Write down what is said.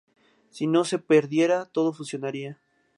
Si no se perdiera, todo funcionaría.